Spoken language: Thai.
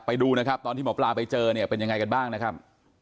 ไปดูนะครับตอนที่หมอปลาไปเจอเนี่ยเป็นยังไงกันบ้างนะครับ